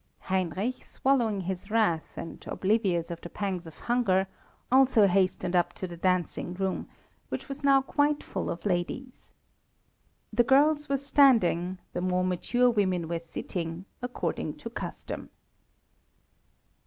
Heinrich, swallowing his wrath, and oblivious of the pangs of hunger, also hastened up to the dancing room, which was now quite full of ladies. The girls were standing, the more mature women were sitting, according to custom.